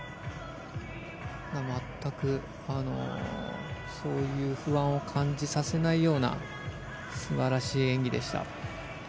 全くそういう不安を感じさせないような素晴らしい演技でした。